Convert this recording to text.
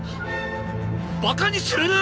バカにするな！